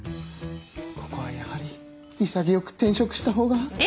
ここはやはり潔く転職したほうが。